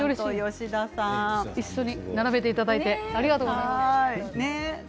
並べていただいてありがとうございます。